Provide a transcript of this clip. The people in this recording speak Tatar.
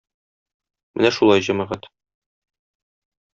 Менә шулай, җәмәгать.